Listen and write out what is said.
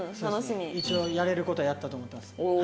一応やれる事はやったと思ってます。